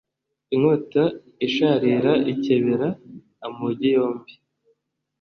Inkota isharira ikebera amugi yombi